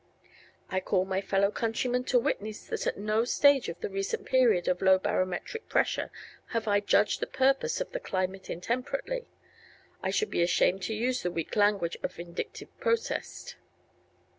I call my fellow countrymen to witness that at no stage of the recent period of low barometric pressure have I judged the purposes of the climate intemperately. I should be ashamed to use the weak language of vindictive protest.